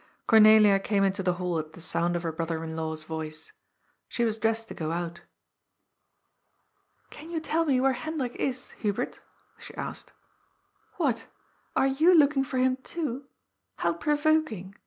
Cornelia came into the hall at the sound of her broth er in law's voice. She was dressed to go out. "Can you teU me where Hendrik is, Hubert?" she asked. "What! are you looking for him too? How pro voking.